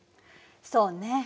そうね。